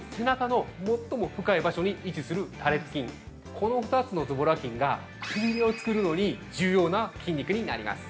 ◆この２つのズボラ筋がくびれを作るのに重要な筋肉になります。